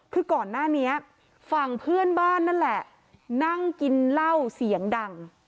คือก่อนหน้านี้ฝั่งเพื่อนบ้านนั่นแหละนั่งกินเหล้าเสียงดัง